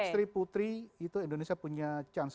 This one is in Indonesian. tiga x tiga putri itu indonesia punya chance